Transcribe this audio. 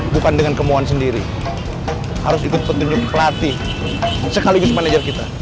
bukan dengan kemauan sendiri harus ikut petunjuk pelatih sekaligus manajer kita